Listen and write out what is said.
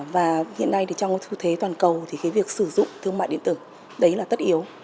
và hiện nay trong thư thế toàn cầu thì cái việc sử dụng thương mại điện tử đấy là tất yếu